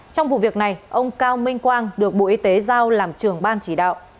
trong vụ việc này ông cao minh quang được bộ y tế giao làm trưởng ban chỉ đạo